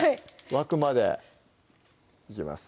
沸くまでいきます